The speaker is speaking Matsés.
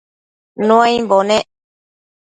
Nuaimbo nec